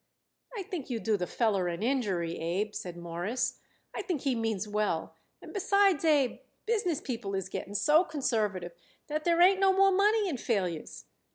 "I think you do the feller an injury, Abe," said Morris. "I think he means well, and besides, Abe, business people is getting so conservative that there ain't no more money in failures."